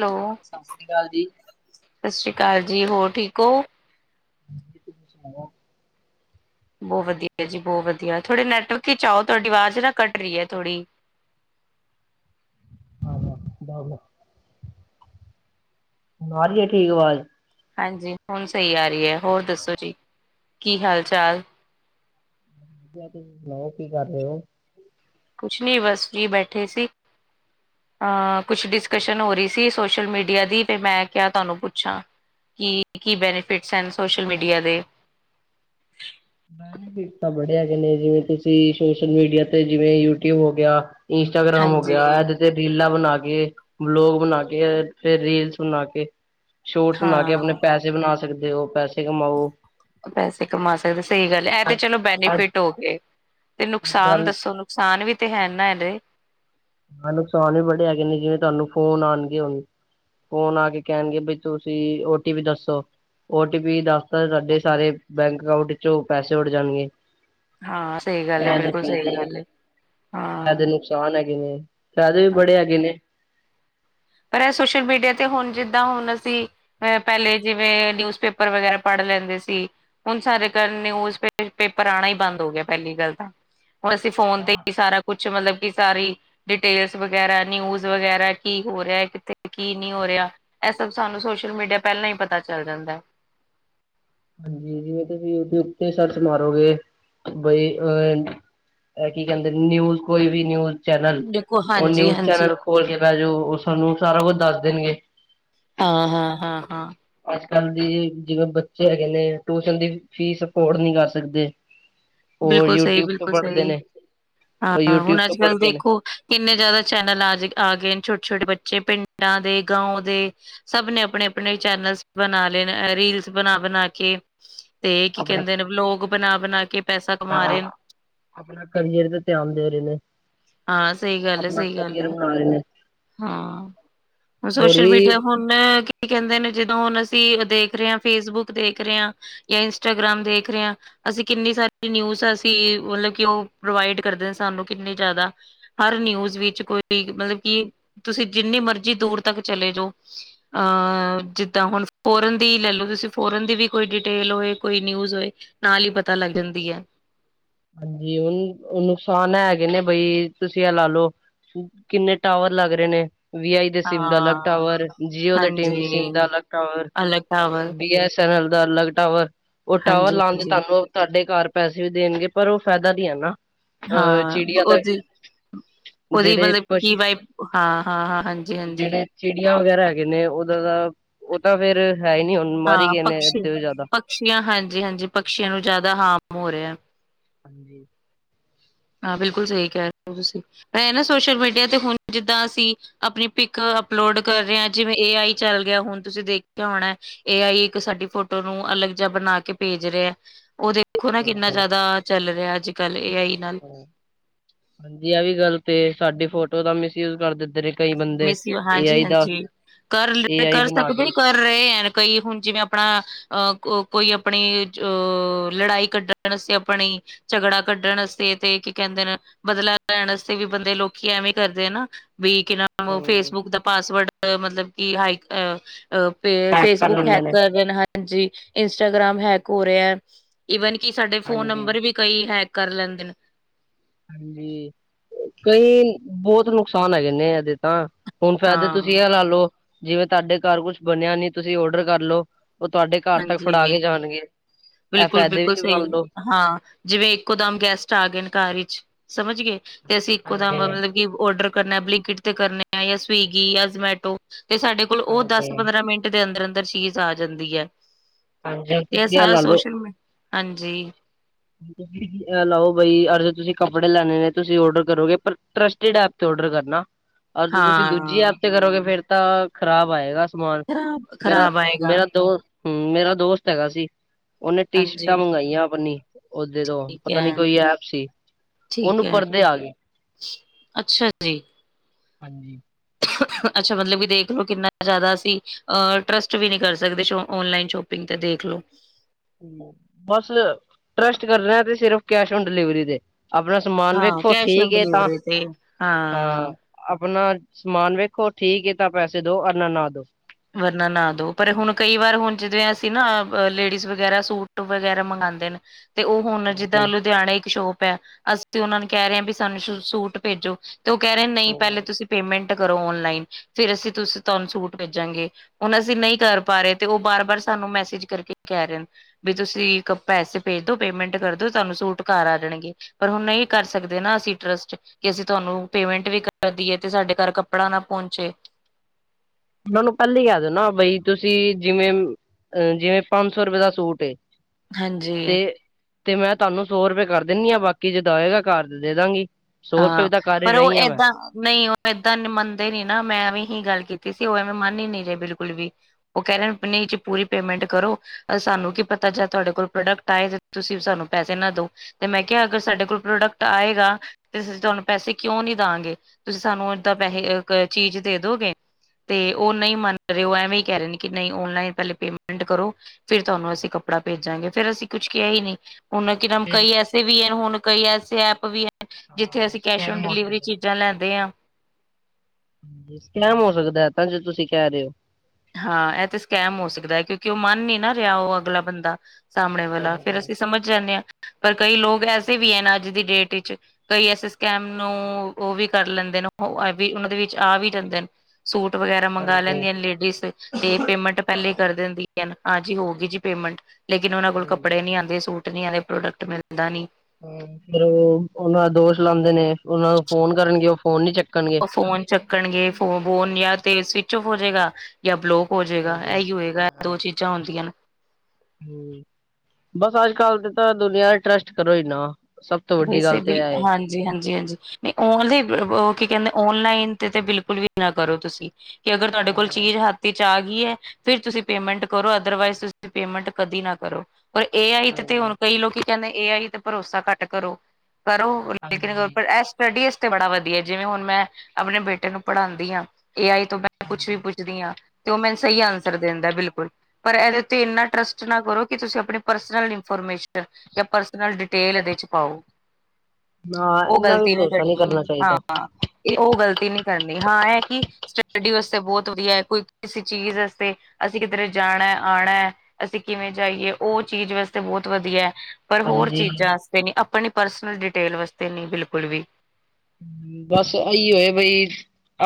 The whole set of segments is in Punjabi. ਹੈਲੋ ਸਤਿ ਸ਼੍ਰੀ ਅਕਾਲ ਜੀ। ਸਤਿ ਸ਼੍ਰੀ ਅਕਾਲ ਜੀ, ਹੋਰ ਠੀਕ ਓ? [unintelligible] ਬਹੁਤ ਵਧੀਆ ਜੀ ਬਹੁਤ ਵਧੀਆ, ਥੋੜੇ ਨੈਟਵਰਕ 'ਚ ਆਓ ਤੁਹਾਡੀ ਆਵਾਜ਼ ਨਾਂ ਕੱਟ ਰਹੀ ਐ ਥੋੜੀ। [unintelligible] ਹੁਣ ਆ ਰਹੀ ਏ, ਠੀਕ ਅਵਾਜ਼? ਹਾਂਜੀ, ਹੁਣ ਸਹੀ ਆ ਰਹੀ ਆ, ਹੋਰ ਦੱਸੋ ਜੀ, ਕੀ ਹਾਲ-ਚਾਲ? ਵਧੀਆ, ਤੁਸੀਂ ਸੁਣਾਓ ਕੀ ਕਰ ਰਹੇ ਓ? ਕੁਛ ਨੀ ਬਸ ਜੀ ਬੈਠੇ ਸੀ, ਅਹ ਕੁਛ ਡਿਸਕਸ਼ਨ ਹੋ ਰਹੀ ਸੀ ਸੋਸ਼ਲ ਮੀਡੀਆ ਦੀ, ਤੇ ਮੈਂ ਕਿਹਾ ਤੁਹਾਨੂੰ ਪੁੱਛਾਂ। ਕੀ, ਕੀ ਬੈਨੀਫਿਟਸ ਹਨ, ਸੋਸ਼ਲ-ਮੀਡੀਆ ਦੇ? ਬੈਨੀਫਿਟ ਤਾਂ ਬੜੇ ਹੈਗੇ ਨੇਂ ਜਿਵੇਂ ਤੁਸੀਂ, ਸੋਸ਼ਲ-ਮੀਡੀਆ ਤੇ ਜਿਵੇਂ ਯੂਟਿਊਬ ਹੋਗਿਆ ਇੰਸਟਾਗ੍ਰਾਮ ਹਾਂਜੀ। ਹੋਗਿਆ, ਐਦ ਦੇ ਰੀਲਾਂ ਬਣਾਕੇ, ਬਲੋਗ ਬਣਾਕੇ, ਫੇਰ ਰੀਲਸ ਬਣਾਕੇ ਸ਼ੋਰਟਸ ਬਣਾਕੇ, ਅਪਣੇ ਹਾਂ, ਪੈਸੇ ਬਣਾ ਸਕਦੇ ਓ, ਪੈਸੇ ਕਮਾਓ। ਪੈਸੇ ਕਮਾ ਸਕਦੇ ਸਹੀ ਗੱਲ ਏ, ਐ ਤੇ ਅੱਜ ਚਲੋ ਅੱਜ ਬੈਨੀਫਿਟ ਹੋਗਿਏ, ਤੇ ਅੱਜ ਨੁਕਸਾਨ ਕੱਲ ਦੱਸੋ ਨੁਕ ਸਾਨ ਵੀ ਤੇ ਹੈ ਨਾਂ, ਇਹਦੇ? ਹਾਂ, ਨੁਕਸਾਨ ਵੀ ਬੜੇ ਹੈਗੇ ਨੇਂ ਜਿਵੇਂ ਤੁਹਾਨੂੰ ਫੋਨ ਆਣਗੇ ਹੁਨ। ਫੋਨ ਆਕੇ ਕਹਿਣਗੇ ਬਈ ਤੁਸੀਂ, ਓਟੀਪੀ ਦੱਸੋ? ਓ ਟੀ ਪੀ ਦੱਸਤਾ ਸਾਡੇ ਸਾਰੇ, ਬੈਂਕ ਅਕਾੰਊਂਟ'ਚੋਂ ਪੈਸੇ ਉੱਡ ਜਾਣਗੇ। ਹਾਂ ਸਹੀ ਐ ਗੱਲ ਹੈ, ਇਹਦੇ ਬਿਲਕੁਲ ਸਹੀ ਫਾਇਦੇ, ਗੱਲ ਹੈ, ਐ ਹਾਂ। ਦੇ ਨੁਕਸ ਸਾਨ ਹੈਗੇ ਨੇਂ, ਫਾਇਦੇ ਵੀ ਬੜੇ ਹੈਗੇ ਨੇਂ। ਪਰ ਇਹ ਸੋਸ਼ਲ-ਮੀਡੀਆ ਤੇ ਹੁਣ, ਜਿੱਦਾਂ ਹੁਣ ਅਸੀਂ ਅ-ਪਹਿਲੇ ਜਿਵੇਂ, ਨਿਊਜ਼ਪੇਪਰ ਵਗੈਰਾ ਪੜ੍ਹ ਲੈਂਦੇ ਸੀ। ਹੁਣ ਸਾਰੇ ਘਰ ਨਿਊਜ਼ ਪੇ ਪੇਪਰ ਆਣਾ ਈ ਬੰਦ ਓ ਗਿਆ ਪਹਿਲੀ ਗੱਲ ਤਾਂ ਹੁਣ ਅਸੀਂ ਫੋਨ ਤੇ ਈ ਸਾਰਾ ਕੁਛ ਮਤਲਬ ਕਿ ਸਾਰੀ, ਡਿਟੇਲਸ ਵਗੈਰਾ ਨਿਊਜ ਵਗੈਰਾ ਕੀ ਹੋ ਰਿਆ ਕਿੱਥੇ ਕੀ ਨੀ ਹੋ ਰਿਆ, ਏਹ ਸਭ ਸਾਨੂੰ ਸੋਸ਼ਲ ਮੀਡੀਆ ਪਹਿਲਾਂ ਈ ਪਤਾ ਚੱਲ ਜਾਂਦੈ। ਹਾਂਜੀ, ਜਿਵੇਂ ਤੁਸੀਂ ਯੂ-ਟਿਊਬ ਤੇ ਸਰਚ ਮਾਰੋਗੇ ਬਈ ਅ ਅ ਕੀ ਕਹਿੰਦੇ ਨੇ ਨਿਊਜ ਕੋਈ ਵੀ ਨਿਊਜ ਚੈਨਲ, ਦੇਖੋ ਉਹ ਹਾਂਜੀ ਨਿਊਜ ਹਾਂਜੀ ਚੈਨਲ ਖੋਲ ਕੇ ਪੈ ਜੋ ਓ ਸਾਨੂੰ ਸਾਰਾ ਕੁੱਝ ਦੱਸ ਦੇਣਗੇ। ਹਾਂ ਹਾਂ ਹਾਂ ਹਾਂ। ਅੱਜ-ਕੱਲ ਦੀ, ਜਿਵੇਂ ਬੱਚੇ ਹੈਗੇ ਨੇ ਟੂਸ਼ਨ ਦੀ ਫੀਸ ਅਫੋਰਡ ਨਈ ਕਰ ਸਕਦੇ। ਉਹ ਬਿਲਕੁਲ ਸਈ ਯੂਟਿਊਬ ਤੋਂ ਬਿਲਕੁਲ ਪੜ੍ਹਦੇ ਸਈ, ਨੇ ਉਹ ਹਾਂ ਯੂਟਿਊਬ ਹੁਣ ਤੋਂ ਅੱਜ ਕੱਲ ਪੜ੍ਹਦੇ ਨੇ। ਵੇਖੋ ਕਿੰਨੇ ਜ਼ਿਆਦਾ ਚੈਨਲ ਆਜ ਆ ਗਏ ਨੇ ਛੋਟੇ-ਛੋਟੇ ਬੱਚੇ ਪਿੰਡਾਂ ਦੇ ਗਾਉਂ ਦੇ ਸਭ ਨੇ ਅਪਣੇ-ਅਪਣੇ ਚੈਨਲਸ ਬਣਾ ਲੇ ਨੇ ਰੀਲਜ਼ ਬਨਾ-ਬਨਾ ਕੇ। ਤੇ ਕੀ ਆਪਣੇ ਕਹਿੰਦੇ ਨੇ ਲੋਗ ਬਣਾ-ਬਣਾ ਕੇ ਪੈਸਾ ਕਮਾ ਰਹੇ ਹਾਂ, ਨੇ ਅਪਣਾ ਕਰੀਅਰ ਤੇ ਧਿਆਨ ਦੇ ਰਏ ਨੇ। ਹਾਂ ਸਈ ਗੱਲ ਐ ਆਪਣਾ ਸਈ ਗੱਲ ਕਰੀਅਰ ਐ, ਬਣਾ ਰਹੇ ਨੇ। ਹਾਂ ਹੁਣ ਹੋਰ ਸੋਸ਼ਲ ਵੀ ਮੀਡੀਆ ਹੁਣ ਮੈਂ ਕੀ ਕਹਿੰਦੇ ਨੇ ਜਦੋਂ ਹੁਣ ਅਸੀਂ ਦੇਖ ਰਏ ਆ ਫੇਸਬੁੱਕ ਦੇਖ ਰਏ ਆ ਜਾਂ ਇੰਸਟਾਗ੍ਰਾਮ ਦੇਖ ਰਏ ਆਂ ਅਸੀਂ ਕਿੰਨੀ ਸਾਰੀ ਨਿਊਜ਼ ਅਸੀਂ ਮਤਲਬ ਕਿ ਉਹ ਪ੍ਰੋਵਾਈਡ ਕਰਦੇ ਸਾਨੂੰ ਕਿੰਨੀ ਜ਼ਿਆਦਾ ਹਰ ਨਿਊਜ਼ ਵਿੱਚ ਕੋਈ ਮਤਲਬ ਕਿ, ਤੁਸੀਂ ਜਿੰਨੀ ਮਰਜ਼ੀ ਦੂਰ ਤੱਕ ਚਲੇ ਜੋ ਅ ਜਿੱਦਾਂ ਹੁਣ ਫੋਰਨ ਦੀ ਈ ਲੈ ਲੋ ਤੁਸੀਂ ਫੋਰਨ ਦੀ ਵੀ ਕੋਈ ਡਿਟੇਲ ਹੋਏ ਕੋਈ ਨਿਊਜ ਹੋਏ। ਨਾਲ ਈ ਪਤਾ ਲੱਗ ਜਾਂਦੀ ਐ। ਹਾਂਜੀ, ਹੁਣ ਨੁਕਸਾਨ ਹੈਗੇ ਨੇ ਬਈ ਤੁਸੀਂ ਏਹ ਲਾ ਲੋ ਕਿੰਨੇ ਟਾਵਰ ਲੱਗ ਰਏ ਨੇ। ਵੀ ਆਈ ਦੇ ਸਿੰਮ ਦਾ ਅਲਗ ਹਾਂ ਟਾਵਰ, ਜੀਓ ਦੇ ਟਿਮ ਹਾਂਜੀ ਸਿਮ ਦਾ ਅਲਗ ਟਾਵਰ ਅਲੱਗ ਟਾਵਰ ਬੀ [unintelligible] ਚੈਨਲ ਦਾ ਅਲੱਗ ਟਾਵਰ, ਉਹ ਟਾਵਰ ਹਾਂਜੀ ਲਾਣਦੇ ਹਾਂਜੀ ਤੁਆਨੂੰ ਤੁਆਡੇ ਘਰ ਪੈਸੇ ਵੀ ਦੇਣਗੇ। ਪਰ ਉਹ ਫੈਦਾ ਨੀ ਐ ਨਾ। ਅਹ ਹਾਂ, ਚਿੜੀਆਂ ਦਾ ਉਹਦੀ ਓਦੀ ਜਿਹੜੇ ਮਤਲਬ ਪਸ਼ ਕੀ ਵਾਈ, ਹਾਂ ਹਾਂ ਹਾਂ, ਹਾਂਜੀ-ਹਾਂਜੀ। ਜਿਹੜੇ ਚਿੜੀਆਂ ਵਗੈਰਾ ਹੈਗੇ ਨੇ ਉਹਦਾ ਦਾ ਓ ਤਾਂ ਫੇਰ ਹੈ ਈ ਨਈ ਹੁਣ ਮਰ ਈ ਹਾਂ ਗਏ ਨੇ ਪਕਸ਼ੀ ਅੱਧੇ ਤੋਂ ਜ਼ਿਆਦਾ। ਪਕਸ਼ੀਆਂ ਹਾਂਜੀ-ਹਾਂਜੀ, ਪਕਸ਼ੀਆਂ ਨੂੰ ਜ਼ਿਆਦਾ ਹਾਮ ਹੋ ਰਿਆ। ਹਾਂਜੀ। ਹਾਂ, ਬਿਲਕੁਲ ਸਈ ਕਹਿ ਰਏ ਓ ਤੁਸੀਂ, ਐਂ ਨਾ ਸੋਸ਼ਲ-ਮੀਡੀਆ ਤੇ ਹੁਣ ਜਿੱਦਾਂ ਅਸੀਂ ਆਪਣੀ ਪਿੱਕ ਅਪਲੋਡ ਕਰ ਰਏ ਆਂ ਜਿਵੇਂ ਏ ਆਈ ਚੱਲ ਗਿਆ ਹੁਣ ਤੁਸੀਂ ਦੇਖਿਆ ਹੋਣੈ ਏ ਆਈ ਇੱਕ ਸਾਡੀ ਫੋਟੋ ਨੂੰ ਅਲਗ ਜਿਆ ਬਣਾ ਕੇ ਭੇਜ ਰਿਆ ਓਦੇ ਦੇਖੋ ਨਾ ਕਿੰਨਾ ਹਾਂਜੀ ਜ਼ਿਆਦਾ ਚੱਲ ਰਿਆ ਅੱਜ-ਕੱਲ ਏ ਆਈ ਨਾਲ। ਹਾਂਜੀ, ਆਹ ਵੀ ਗੱਲ ਤੇ ਸਾਡੀ ਫੋਟੋ ਦਾ ਮਿਸ-ਯੂਜ਼ ਕਰ ਦਿੰਦੇ ਨੇ। ਕਈ ਬੰਦੇ ਮਿਸ ਯੂ ਏ ਆਈ ਦਾ ਹਾਂਜੀ-ਹਾਂਜੀ, ਕਰ ਏ ਲੇਂ ਆਈ ਕਰ ਬਣਾ ਸਕਦੇ ਕੇ ਨਈ ਕਰ ਕਰ ਰਏ ਐ ਕਈ ਹੁਣ ਜਿਵੇਂ ਆਪਣਾ ਅ ਕੋ ਕੋਈ ਆਪਣੀ ਅ ਲੜਾਈ ਕੱਢਣ ਅਸਤੇ ਅਪਣੀ ਝਗੜਾ ਕੱਢਣ ਅਸਤੇ ਤੇ ਕੀ ਕਹਿੰਦੇ ਨੇ ਬਦਲਾ ਲੈਣ ਆਸਤੇ ਵੀ ਬੰਦੇ ਲੋਕੀ ਐਵੇਂ ਈ ਕਰਦੇ ਐ ਨਾ ਵਈ ਕ ਹੂੰ ਫੇਸਬੁਕ ਦਾ ਪਾਸਵਰਡ ਮਤਲਬ ਕਿ ਹਾਈਕ ਅ ਹੈਕ ਕਰ ਫੇਸਬੁਕ ਲੈਂਦੇ ਹੈਕ ਕਰ ਰਏ ਨੇ ਹਾਂਜੀ, ਇੰਸਟਾਗ੍ਰਾਮ ਹੈਕ ਹੋ ਰਿਆ। ਈਵਨ ਕਿ ਸਾਡੇ ਫੋਨ ਹਾਂਜੀ ਨੰਬਰ ਵੀ ਕਈ ਹੈਕ ਕਰ ਲੈਂਦੇ ਨੇ। ਹਾਂਜੀ, ਕਈ ਬੋਤ ਨੁਕਸਾਨ ਹੈਗੇ ਨੇ ਇਹਦੇ ਤਾਂ ਹੁਣ ਫੈਦੇ ਹਾਂ ਤੁਸੀਂ ਇਹ ਲਾ ਲੋ ਜਿਵੇਂ ਤੁਆਡੇ ਘਰ ਕੁਛ ਬਣਿਆ ਨੀ ਤੁਸੀਂ ਔਡਰ ਕਰਲੋ। ਓ ਤੁਆਡੇ ਘਰ ਤੱਕ ਹਾਂਜੀ ਫੜਾ ਕੇ ਜਾਣਗੇ, ਏਹ ਫੈਦੇ ਬਿਲਕੁਲ-ਬਿਲਕੁਲ ਵੀ ਸਹੀ ਮੰਨ ਲੋ। ਹਾਂ, ਜਿਵੇਂ ਇੱਕੋ-ਦਮ ਗੈਸਟ ਆ ਗਏ ਨੇ ਘਰ ਵਿਚ, ਸਮਝ ਗਏ ਤੇ ਅਸੀਂ ਇੱਕੋ-ਦਮ ਹਾਂਜੀ ਮਤਲਬ ਔਡਰ ਕਰਨਾ ਬਿੰਲੀਕਿਟ ਤੇ ਕਰਨਾ ਆ ਜਾਂ ਸਵੀਗੀ ਜਾਂ ਜਮੈਟੋ ਤੇ ਸਾਡੇ ਕੋਲ ਓ ਹਾਂਜੀ ਦਸ-ਪੰਦਰਾਂ ਮਿੰਟ ਦੇ ਅੰਦਰ-ਅੰਦਰ ਚੀਜ਼ ਆ ਜਾਂਦੀ ਐ। ਹਾਂਜੀ ਏ ਤੁਸੀਂ ਇਹ ਸਾਰਾ ਲਾ ਸੋਸ਼ਲ ਮੀ, ਹਾਂਜੀ। ਲਓ ਬਾਈ ਅੱਜ ਤੁਸੀਂ ਕੱਪੜੇ ਲੈਣੇ ਨੇ, ਤੁਸੀਂ ਔਡਰ ਕਰੋਗੇ, ਪਰ ਟਸਟਡ ਐ ਔਡਰ ਕਰਨਾ, ਔਰ ਜੇ ਤੁਸੀਂ ਦੂਜੀ ਐਪ ਹਾਂ ਤੇ ਕਰੋਗੇ, ਫੇਰ ਤਾਂ ਖ਼ਰਾਬ ਆਏਗਾ। ਸਮਾਨ, ਮੇਰਾ ਖ਼ਰਾਬ-ਖ਼ਰਾਬ ਆਏਗਾ -ਮੇਰਾ ਦੋ ਹਮ ਮੇਰਾ ਦੋਸਤ ਹੈਗਾ ਸੀ, ਉਹਨੇ ਟੀ ਸ਼ੀਟਾਂ ਹਾਂਜੀ ਮੰਗਾਈਆਂ ਆਪਨੀ ਓਦੇ ਤੋਂ, ਠੀਕ ਪਤਾ ਨੀ ਹੈ ਕੋਈ ਐਪ ਸੀ। ਠੀਕ ਉਹਨੂੰ ਹੈ, ਪਰਦੇ ਆ ਗਏ ਅੱਛਾ ਜੀ। ਹਾਂਜੀ [inaudible] ਅੱਛਾ, ਮਤਲਬ ਕਿ ਦੇਖ ਲਓ ਕਿੰਨਾ ਜ਼ਿਆਦਾ, ਅਸੀਂ ਅਹ ਟਰਸਟ ਵੀ ਨਹੀਂ ਕਰ ਸਕਦੇ, ਔਨਲਾਈਨ ਸ਼ੋਪ ਪਿੰਤਾਂ ਦੇਖਲੋ। ਬਸ ਟਰਸਟ ਕਰ ਰਹੇ ਤੇ ਸਿਰਫ, ਕੇਸ਼ ਔਨ ਡਿਲੀਵਰੀ ਦੇ। ਆਪਣਾ, ਸਮਾਨ ਹਾਂ ਵੇਖੋ ਕੈਸ਼ ਔਨ ਠੀਕ ਤਾਂ, ਡਿਲੀਵਰੀ ਤੇ ਹਾਂ। ਆਪਣਾ ਸਮਾਨ ਵੇਖੋ, ਠੀਕ ਏ ਤਾਂ ਪੈਸੇ ਦੋ, ਆਨਾ ਨਾ ਦੋ। ਵਰਨਾ ਨਾ ਦੋ, ਪਰ ਹੁਣ ਕਈ ਵਾਰ ਹੁਣ ਜਿਵੇਂ, ਅਸੀਂ ਨਾ ਲੇਡੀਜ਼ ਵਗੈਰਾ ਸੂਟ ਵਗੈਰਾ, ਮੰਗਵਾਉਂਦੇ ਨੇ, ਤੇ ਉਹ ਹੁਣ ਜਿੱਦਾਂ, ਹਾਂਜੀ ਲੁਧਿਆਣਾ ਇੱਕ ਸ਼ੋਪ ਹੈ, ਅਸੀਂ ਉਹਨਾ ਨੂੰ ਕਹਿ ਰਹੇ ਹਾਂ ਵੀ, ਸਾਨੂੰ ਸੂਟ ਭੇਜੋ। ਤੇ ਉਹ, ਕਹਿ ਰਹੇ ਨਹੀਂ ਪਹਿਲੇ ਤੁਸੀਂ ਪੇਮੈਂਟ ਕਰੋ ਔਨਲਾਈਨ, ਫੇਰ ਅਸੀਂ ਤੁਸੀਂ ਤੁਹਾਨੂੰ ਸੂਟ ਭੇਜਾਂਗੇ, ਹੁਣ ਅਸੀਂ ਨਹੀਂ ਕਰ ਪਾ ਰਹੇ, ਤੇ ਉਹ ਬਾਰ ਬਾਰ ਸਾਨੂੰ ਮੈਸੇਜ ਕਰਕੇ ਕਹਿ ਰਹੇ ਵੀ ਤੁਸੀਂ, ਇੱਕ ਪੈਸੇ ਭੇਜ ਦਿਉ ਪੇਮੈਂਟ ਕਰ ਦੌ, ਤੁਹਾਨੂੰ ਸੂਟ ਘਰ ਆ ਜਾਣਗੇ। ਪਰ ਉਹ, ਨਹੀਂ ਕਰ ਸਕਦੇ ਨਾ ਅਸੀਂ, ਟਰੱਸਟ। ਕਿ ਅਸੀਂ ਤੁਹਾਨੂੰ, ਪੇਮੈਂਟ ਵੀ ਕਰਦੀਏ ਤੇ ਸਾਡੇ ਘਰ, ਕੱਪੜਾ ਨਾ ਪਹੁੰਚੇ। ਉਹਨਾਂ ਨੂੰ, ਪਹਿਲੀ ਕਹਿ ਦੌ ਨਾ, ਬਈ ਤੁਸੀਂ ਜਿਵੇਂ- ਜਿਵੇਂ ਪੰਜ ਸੌ ਰੁਪਏ ਦਾ ਸੂਟ ਏ ਹਾਂਜੀ ਤੇ -ਤੇ ਮੈਂ ਤੁਹਾਨੂੰ ਸੌ ਰੁਪਏ ਕਰ ਦਿੰਦੀ ਹਾਂਬਾਕੀ ਜਿੱਦਾਂ ਆਏਗਾ ਘਰ ਦੇ ਦਾਂਗੀ। ਸੌ ਰੁਪਏ ਹਾਂ, ਵੀ ਤਾਂ ਕਰ ਹੀ ਪਰ ਉਹ ਰਹੀ ਹਾਂ ਮੈਂ ਏਦਾਂ ਨਹੀਂ ਏਦਾਂ ਮੰਨਦੇ ਨੀ ਨਾ ਮੈਂ ਵੀ ਹੀ ਗੱਲ ਕੀਤੀ ਸੀ। ਉਹ ਐਵੇਂ ਮੰਨ ਹੀ ਨੀ ਰਹੇ, ਬਿਲਕੁਲ ਵੀ ਉਹ ਕਹਿ ਰਿਹੇ, ਚ ਪੂਰੀ ਪੇਮੈਂਟ ਕਰੋ। ਸਾਨੂੰ ਕੀ ਪਤਾ, ਜਦ ਤੁਹਾਡੇ ਕੋਲ ਪ੍ਰੋਡਕਟ ਆਏ, ਤੁਸੀਂ ਸਾਨੂੰ ਪੈਸੇ ਨਾ ਦਓ। ਤੇ ਮੈਂ ਕਿਹਾ, ਅਗਰ ਸਾਡੇ ਕੋਲ ਪ੍ਰੋਡਕਟ ਆਏਗਾ ਤੇ ਅਸੀਂ ਤੁਹਾਨੂੰ ਪੈਸੇ ਕਿਉਂ ਨਈ ਦਾਂਗੇ, ਤੁਸੀਂ ਸਾਨੂੰ ਏਦਾਂ ਪੈਸੇ ਚੀਜ਼ ਦੇ ਦੋਗੇ ਤੇ ਉਹ ਨਹੀਂ ਮੰਨ ਰਹੇ, ਉਹ ਐਵੇਂ ਹੀ ਕਹਿ ਰਹੇ ਨੇ ਕਿ, ਨਹੀਂ ਓਨਲਾਈਨ ਪਹਿਲੇ ਪੇਮੈਂਟ ਕਰੋ। ਫਿਰ ਤੁਹਾਨੂੰ ਅਸੀਂ ਕੱਪੜਾ ਭੇਜਾਂਗੇ, ਫੇਰ ਅਸੀਂ ਕੁਛ ਕਿਹਾ ਹੀ ਨਹੀਂ, ਉਹਨਾਂ ਕਈ ਐਸੇ ਵੀ ਹੈ ਹੁ, ਣ ਕਈ ਐਸੇ ਐਪ ਵੀ ਜਿੱਥੇ ਅਸੀਂ, ਕੈਸ਼ ਔਨ ਸਕੈਮ ਹੋ ਡਿਲੀਵਰੀ ਸਕਦਾ ਚੀਜ਼ਾਂ ਲੈਂਦੇ ਹਾਂ। ਸਕੇਮ ਹੋ ਸਕਦਾ ਹੈ ਤਾਂ, ਜੋੇ ਤੁਸੀਂ ਕਹਿ ਰਹੇ ਹੋ। ਹਾਂ ਇਹ ਤੇ ਸਕੈਮ ਹੋ ਸਕਦਾ ਹੈ, ਕਿਉਂਕਿ, ਉਹ ਮਨ ਨੀ ਨਾ ਰਿਹਾ ਉਹ, ਅਗਲਾ ਬੰਦਾ ਸਾਹਮਣੇ ਵਾਲਾ, ਫੇਰ ਹਾਂਜੀ ਅਸੀਂ ਸਮਝ ਜਾਂਦੇ ਹਾਂ, ਪਰ ਕਈ ਲੋਕ ਐਸੇ ਵੀ ਐ ਅੱਜ, ਦੀ ਡੇਟ ਵਿੱਚ ਕਈ ਐਸੇ, ਸਕੈਮ ਨੂੰ ਉਹ ਵੀ ਕਰ ਲੈਂਦੇ ਨੇ, ਉਹ ਵੀ ਉਹਨਾਂ ਦੇ ਵਿੱਚ ਆ ਵੀ, ਜਾਂਦੇ ਨੇ ਸੂਟ ਵਗੈਰਾ ਮੰਗਵਾ, ਹਾਂਜੀ ਲੈਂਦੀਆਂ ਲੇਡੀਜ਼ ਤੇ ਪੇਮੈਂਟ ਪਹਿਲੇ ਕਰ ਦਿੰਦੀ ਹੈ, ਹਾਂਜੀ ਹੋਗੀ ਜੀ ਪੇਮੈਂਟ ਲੇਕਿਨ, ਉਹਨਾਂ ਕੋਲ ਹਾਂਜੀ ਕੱਪੜੇ ਨੀ ਆਉਂਦੇ, ਸੂਟ ਨਹੀਂ ਆਉਂਦੇ ਪ੍ਰੋਡਕਟ, ਮਿਲਦਾ ਨਈ। ਹਾਂ ਫਿਰ ਉਹ ਉਹਨਾਂ ਦਾ ਦੋਸ਼ ਲਾਉਂਦੇ ਨੇ, ਉਹਨਾਂ ਨੂੰ ਫੋਨ ਕਰਨਗੇ ਉਹ ਫੋਨ ਨੀ, ਚੱਕਣਗੇ ਫੋਨ ਚੱਕਣਗੇ ਫੋ ਫੋਨ, ਜਾ ਤੇ ਸਵਿੱਚ ਔਫ ਹੋ ਜਾਏਗਾ। ਜਾਂ ਬਲੋਕ ਹੋ ਜੇਗਾ, ਹਾਂਜੀ ਇਹੀ ਹੋਏਗਾ ਦੋ ਚੀਜ਼ਾਂ ਹੋੰਦੀਆਂ। ਹਂ ਬਸ, ਅੱਜ-ਕਲ ਤੇ ਤਾਂ ਦੁਨੀਆਂ ਤੇ ਟਰਸਟ ਕਰੋ ਈ ਨਾ। ਸਭ ਤੋਂ ਵੱਡੀ ਗੱਲ ਤੇ ਐ ਏ ਜੀ ਹਾਂਜੀ ਹਾਂਜੀ। ਨੀਂ ਓ ਕੀ ਕੈਂਦੇ ਓਨਲਾਈਨ ਤੇ, ਤੇ ਬਿਲਕੁਲ ਵੀ ਨਾ ਕਰੋ ਤੁਸੀਂ। ਕਿ ਅਗਰ ਤੁਆਡੇ ਕੋਲ ਹਮ ਚੀਜ਼ ਹੱਥ ਇ ਚ ਆ ਗੀ ਐ, ਫਿਰ ਤੁਸੀਂ ਪੇਮੈਂਟ ਕਰੋ। ਅਦਰਵਾਈਜ਼ ਤੁਸੀਂ ਪੇਮੈਂਟ ਕਦੀ ਨਾ ਕਰੋ। ਪਰ ਏ ਆਈ ਤੇ ਹਾਂਜੀ ਹੁਣ ਕਈ ਲੋਕੀ ਕੈਂਦੇ, ਏ ਆਈ ਤੇ ਭਰੋਸਾ ਘੱਟ ਕਰੋ। ਕਰੋ ਹਾਂਜੀ, [unintelligible] ਸਟੱਡੀਜ਼ ਤੇ ਬੜਾ ਵਧੀਆ, ਜਿਵੇਂ ਹੁਣ ਮੈਂ ਆਪਣੇ ਬੇਟੇ ਨੂੰ ਪੜ੍ਹਾਂਦੀ ਆਂ ਏ ਆਈ ਤੋਂ ਮੈਂ ਕੁਛ ਵੀ ਹਾਂਜੀ। ਪੁੱਛਦੀ ਆਂ ਤੇ ਓ ਮੈਨੂੰ ਸਈ ਆਂਨਸਰ ਦੇੰਦਾ ਬਿਲਕੁਲ। ਪਰ ਏਦੇ ਤੇ ਇਨ੍ਹਾਂ ਟਰਸਟ ਨਾ ਕਰੋ ਕਿ ਤੁਸੀਂ ਆਪਣੇ ਪਰਸਨਲ ਇਨਫੋਰਮੇਸ਼ਨ ਜਾਂ ਪਰਸਨਲ ਡਿਟੇਲ ਏਦੇ ਚ ਪਾਓ। ਨਾ ਓ ਇੰਨਾ ਵੀ ਗਲਤੀ ਨਈਂ ਭਰੋਸਾ ਨਹੀਂ ਕਢਨੀ। ਕਰਨਾ ਚਾਹੀਦਾ। ਹਾਂ, ਓ ਗ਼ਲਤੀ ਨੀਂ ਕਰਨੀ ਹਾਂ ਏ ਕਿ ਸਟੱਡੀ ਵਾਸਤੇ ਬੋਤ ਵਧੀਆ ਐ। ਕੋਈ ਕਿਸੇ ਚੀਜ਼ ਅਸਤੇ, ਅਸੀਂ ਕਿਧਰੇ ਜਾਣਾ-ਆਣਾ। ਅਸੀਂ ਕਿਵੇਂ ਜਾਈਏ ਓ ਚੀਜ਼ ਵਾਸਤੇ ਬੋਤ ਵਧੀਆ। ਪਰ ਹੋਰ ਹਾਂਜੀ, ਚੀਜ਼ਾਂ ਆਸਤੇ ਨੀਂ ਆਪਣੀ ਪਰਸਨਲ ਡਿਟੇਲ ਵਾਸਤੇ ਨੀਂ ਬਿਲਕੁਲ ਵੀ। ਬਸ ਅਈ ਓ ਏ ਬਈ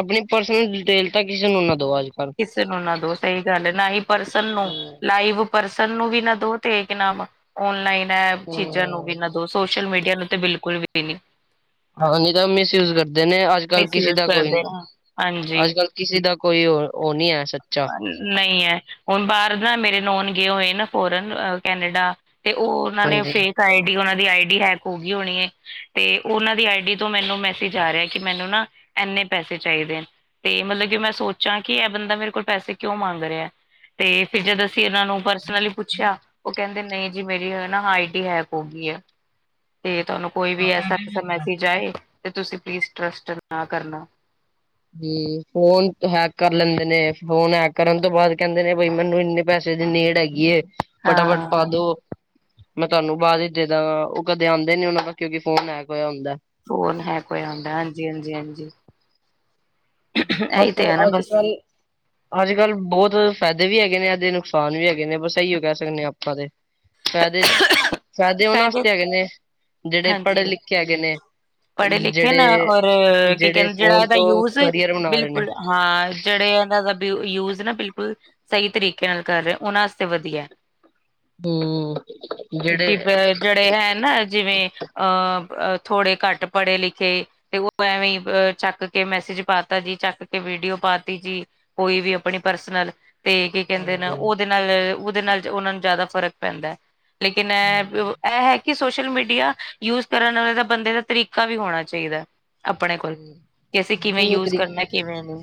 ਆਪਣੀ ਪਰਸਨਲ ਡਿਟੇਲ ਤਾਂ ਕਿਸੇ ਨੂੰ ਨਾ ਦੋ ਅੱਜ। ਕੱਲ। ਕਿਸੇ ਨੂੰ ਨਾਂ ਦੋ। ਸਈ ਗੱਲ ਐ, ਨਾ ਈਂ ਪਰਸਨ ਨੂੰ ਲਾਈਵ ਪਰਸਨ ਨੂੰ ਵੀ ਨਾ ਦੋ ਤੇ ਕਿ ਨਾਂਮ ਓਨਲਾਈਨ ਐ ਚੀਜ਼ਾਂ ਨੂੰ ਵੀ ਨਾ ਸੋਸ਼ਲ ਮੀਡੀਆ ਨੂੰ ਤੇ ਬਿਲਕੁਲ ਵੀ ਨੀਂ। ਹਾਂ ਨਈਂ ਤਾਂ ਮਿਸਯੂਜ ਕਰਦੇ ਨੇਂ, ਅੱਜ-ਕਲ ਕਿਸੇ ਮਿਸਯੂਜ ਦਾ ਕੋਈ ਨੀਂ। ਕਰਦੇ ਹਾਂਜੀ ਅੱਜ ਕੱਲ ਕਿਸੇ ਦਾ ਕੋਈ ਓ, ਓ ਨੀਂ ਐ ਸੱਚਾ। ਨਈਂ ਐ, ਹੁਣ ਬਾਰ ਨਾ ਮੇਰੇ ਨੋਨ ਗਏ ਹੋਏ ਨਾ ਫੋਰਨ ਕੈਨੇਡਾ ਤੇ ਓ ਓਨ੍ਹਾਂ ਨੇ ਹਾਂਜੀ ਫੇਕ ਆਈ ਡੀ, ਓਨ੍ਹਾਂ ਦੀ ਆਈ ਡੀ ਹੈਕ ਹੋ ਗੀ ਹੋਣੀ ਏ ਤੇ ਓਨਾਂ ਦੀ ਆਈਡ ਤੋਂ ਮੈਨੂੰ ਮੈਸੇਜ ਆ ਰਿਆ ਕਿ ਮੈਨੂੰ ਨਾ ਇੰਨੇ ਪੈਸੇ ਚਾਈਦੇ। ਤੇ ਮਤਲਬ ਕਿ ਮੈਂ ਸੋਚਾਂ ਕਿ ਏ ਬੰਦਾ ਮੇਰੇ ਕੋਲ ਪੈਸੇ ਕਿਉਂ ਮੰਗ ਰਿਆ ਤੇ ਫਿਰ ਜਦ ਅਸੀਂ ਓਨਾਂ ਨੂੰ ਪਰਸਨਲੀ ਪੁੱਛਿਆ, ਓ ਕੈਂਦੇ ਨਈਂ ਜੀ ਮੇਰੀ ਨਾ ਆਈਡੀ ਹੈਕ ਹੋ ਗੀ ਐ ਤੇ ਤਾਨੂੰ ਕੋਈ ਵੀ ਐਸਾ-ਵ ਐਸਾ ਮੈਸੇਜ ਆਏ ਤੇ ਤੁਸੀਂ ਪਲੀਜ਼ ਟਰਸਟ ਨਾ ਕਰਨਾ। ਫੋਨ ਹੈਕ ਕਰ ਲੈਂਦੇ ਨੇ, ਫੋਨ ਹੈਕ ਕਰਨ ਤੋਂ ਬਾਅਦ ਕੈਂਦੇ ਨੇ ਬਈ ਮੈਨੂੰ ਇੰਨੇ ਪੈਸੇ ਦੀ ਨੀੜ ਹੈਗੀ ਏ ਫਟਾਫਟ ਹਾਂ ਪਾ ਦੋ। ਮੈਂ ਤੁਆਨੂੰ ਪਾਦੀ ਜਿਦਾਂ ਓ ਕਦੇ ਆਂਦੇ ਨੀ ਓਨਾਂ ਦਾ ਕਿਉਂਕਿ ਫੋਨ ਹੈਕ ਹੋਇਆ ਹੁੰਦਾ। ਫੋਨ ਹੈਕ ਹੋਇਆ ਹੁੰਦਾ ਹਾਂਜੀ, ਹਾਂਜੀ, ਹਾਂਜੀ। ਇਹੀ ਬਸ ਤੇ ਹੈ ਨਾ ਬਸ ਅੱਜ-ਕਲ। ਅੱਜ-ਕਲ ਬੋਤ ਫੈਦੇ ਵੀ ਹੈਗੇ ਨੇ ਏਦੇ, ਨੁਕਸਾਨ ਵੀ ਹੈਗੇ ਨੇ, ਬਸ ਇਉ ਕੈਅ ਸਕਣੇ ਆਪਾਂ ਤੇ। ਫੈਦੇ, ਫੈਦੇ ਓਨਾਂ ਸ਼ਾਇਦ ਵਾਸਤੇ ਹੈਗੇ ਨੇ, ਜੇੜੇ ਹਾਂਜੀ ਪੜ੍ਹੇ ਲਿਖੇ ਹੈਗੇ ਨੇ। ਪੜ੍ਹੇ ਲਿਖੇ ਨਾ ਜਿਹੜੇ ਔਰ, ਕੀ ਜਿਹੜੇ ਕੈਂਦੇ ਜੇੜਾ ਫੋਨ ਏਦਾ ਤੋਂ ਯੂਜ਼ ਕਰੀਅਰ ਬਣਾ ਰਹੇ ਨੇ ਬਿਲਕੁਲ ਹਾਂ, ਜੇੜੇ ਓਨਾਂ ਦਾ ਬ ਯੂਜ਼ ਨਾਂ ਬਿਲਕੁਲ ਸਈ ਤਰੀਕੇ ਨਾਲ ਕਰ ਰੇ, ਓਨਾਂ ਵਾਸਤੇ ਵਧੀਆ। ਹਂ। ਕਿ ਬ ਜੇੜੇ ਹੈ ਨਾ ਜਿਵੇਂ ਅ ਥੋੜੇ ਘੱਟ ਪੜ੍ਹੇ ਲਿਖੇ ਤੇ ਓ ਐਵੇਂ ਈਂ ਚੱਕ ਕੇ ਮੈਸੇਜ ਪਾਤਾ ਜੀ, ਚੱਕ ਕੇ ਵੀਡੀਓ ਪਾਤੀ ਜੀ। ਕੋਈ ਵੀ ਆਪਣੀ ਪਰਸਨਲ ਤੇ ਕੀ ਕੈਂਦੇ ਨੇ ਹਾਂਜੀ ਓਦੇ ਨਾਲ, ਓਦੇ ਨਾਲ ਓਨਾਂ ਨੂੰ ਜ਼ਿਆਦਾ ਫ਼ਰਕ ਪੈਂਦਾ। ਮੈ ਹੂੰ, ਬੇ ਬ ਏ ਹੈ ਕਿ ਸੋਸ਼ਲ ਮੀਡੀਆ ਯੂਜ਼ ਕਰਨ ਆਲੇ ਦਾ, ਬੰਦੇ ਦਾ ਤਰੀਕਾ ਵੀ ਹੋਣਾ ਚਾਈਦਾ। ਆਪਣੇ ਕੋਲ ਕਿ ਅਸੀਂ ਕਿਵੇਂ ਜਿਹਨੂੰ ਯੂਜ਼ ਤਰੀਕ ਕਰਨਾ, ਕਿਵੇਂ ਨਈਂ।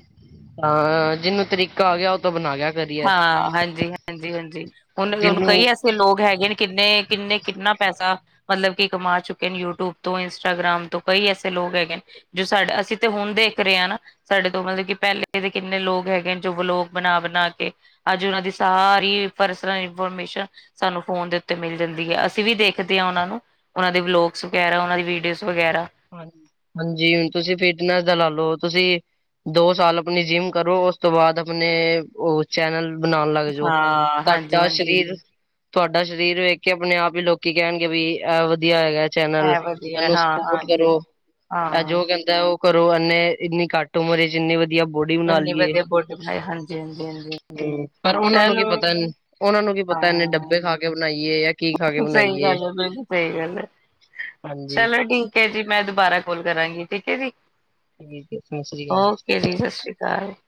ਹਾਂ ਜਿਹਨੂੰ ਤਰੀਕਾ ਆ ਗਿਆ ਉਹ ਤੋਂ ਬਣਾ ਗਿਆ ਕਰੀਅਰ ਹਾਂ ਹਾਂਜੀ, ਹਾਂਜੀ, ਹਾਂਜੀ ਉਹਨੇ ਤੇ ਉਹਨੂੰ ਜਿਹਨੂੰ ਕਹੀਐ ਕਿ ਲੋਕ ਹੈਗੇ ਨੇ ਕਿੰਨੇ, ਕਿਨੇ, ਕਿੰਨਾ ਪੈਸਾ ਮਤਲਬ ਕਿ ਕਮਾ ਚੁੱਕੇ ਨੇ ਯੂਟਿਊਬ ਤੋਂ, ਇੰਸਟਾਗ੍ਰਾਮ ਤੋਂ, ਕਈ ਐਸੇ ਲੋਕ ਹੈਗੇ। ਜੋ ਸਾਡਾ, ਅਸੀਂ ਤੇ ਹੁਣ ਦੇਖ ਰਹੇ ਹਾਂ ਨਾ। ਸਾਡੇ ਤੋਂ ਮਤਲਬ ਕਿ ਪਹਿਲੇ ਦੇ ਕਿੰਨੇ ਲੋਕ ਹੈਗੇ ਨੇ। ਜੋ ਬਲੋਗ ਬਣਾ, ਬਣਾ ਕੇ ਅੱਜ ਉਹਨਾਂ ਦੀ ਸਾਰੀ ਪਰਸਨਲ ਇਨਫੋਰਮੇਸ਼ਨ ਸਾਨੂੰ ਫੋਨ ਦੇ ਉਤੇ ਮਿਲ ਜਾਂਦੀ ਏ। ਅਸੀਂ ਵੀ ਦੇਖਦੇ ਹਾਂ ਉਹਨਾਂ ਨੂੰ ਉਹਨਾਂ ਦੇ ਵਲੋਗਸ ਵਗੈਰਾ, ਉਹ ਦੀ ਵੀਡੀਓਜ਼ ਵਗੈਰਾ। ਹਾਂ ਹਾਂਜੀ ਹੁਣ ਤੁਸੀਂ ਫਿਟਨੈਸ ਦਾ ਲਾ ਲਓ ਤੁਸੀਂ ਦੋ ਸਾਲ ਆਪਣੀ ਜਿਮ ਕਰੋ। ਉਸ ਤੋਂ ਬਾਅਦ ਆਪਣੇ ਉਹ ਚੈਨਲ, ਬਣਾਉਣ ਲੱਗ ਜਓ ਹਾਂ ਹਾਂਜੀ ਤਾਂਡਾ ਹਾਂਜੀ ਸਰੀਰ ਹਾਂਜੀ ਤੁਹਾਡਾ ਸਰੀਰ ਵੇਖ ਕੇ ਆਪਣੇ ਆਪ ਹੀ ਲੋਕੀ ਕਹਿਣਗੇ। ਬਈ‌ ਇਹ ਵਧੀਆ ਹੈਗਾ ਚੈਨਲ ਹੈ ਵਧੀਆ ਇਹਨੂੰ ਹਾਂ ਸਪੋ ਸਧੋਟ ਹਾਂਜੀ ਕਰੋ, ਇਹ ਹਾਂ ਜੋ ਕਹਿੰਦਾ ਉਹ ਕਰੋ, ਇਨੇ ਇੰਨੀ ਘੱਟ ਉਮਰ ਚ ਇੰਨੀ ਵਧੀਆ ਬੋਡੀ ਬਣਾ ਇੰਨੀ ਲਈਏ, ਵਧੀਆ ਬੋਡੀ ਬਣਾਈ ਹਾਂਜੀ ਹਾਂਜੀ ਹਾਂਜੀ ਹਾਂਜੀ ਪਰ ਉਹਨਾਂ ਨੂੰ ਕੀ ਚਲੋ ਪਤਾ ਉਹਨਾਂ ਨੂੰ ਕੀ ਪਤਾ, ਇੰਨੇ ਹਾਂ ਡੱਬੇ ਖਾ ਕੇ ਬਣਾਈਏ ਯਾ ਸਹੀ ਗੱਲ ਹੈ, ਬਿਲਕੁਲ ਸਹੀ ਗੱਲ ਹੈ, ਹਾਂਜੀ ਚਲੋ ਠੀਕ। ਓਕੇ ਜੀ, ਮੈਂ ਦੁਬਾਰਾ ਕੋਲ ਕਰਾਂਗੀ, ਠੀਕ ਏ ਜੀ, ਠੀਕ ਹੈ ਸਤਿ ਸ੍ਰੀ ਅਕਾਲ ਓਕੇ ਜੀ ਸਤਿ ਸ਼੍ਰੀ ਤਾਂ [inaudible]